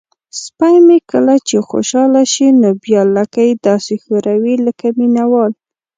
سپی مې کله چې خوشحاله شي نو بیا لکۍ داسې ښوروي لکه مینه وال.